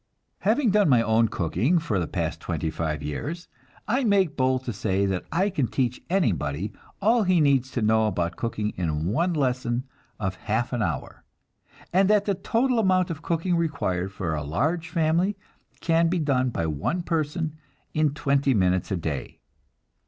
Having done my own cooking for the past twenty five years, I make bold to say that I can teach anybody all he needs to know about cooking in one lesson of half an hour, and that the total amount of cooking required for a large family can be done by one person in twenty minutes a day.